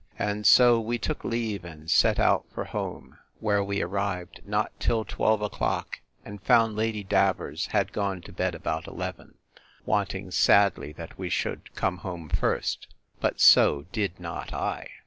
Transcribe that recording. And so we took leave, and set out for home; where we arrived not till twelve o'clock; and found Lady Davers had gone to bed about eleven, wanting sadly that we should come home first; but so did not I.